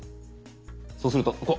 そうするとここ。